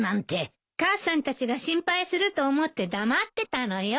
母さんたちが心配すると思って黙ってたのよ。